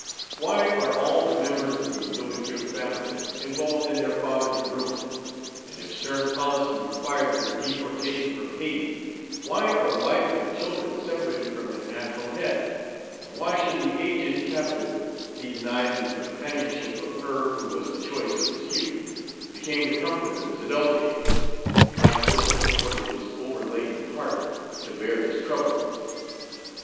Why are all the members of the L'Ouverture family involved in their father's ruin? And if stern policy required their deportation from Hayti, why are wife and children separated from their natural head, and why should the aged captive be denied the companionship of her who was the choice of his youth, became the comfort of his adult age, and might still have supported his overladen heart to bear his troubles?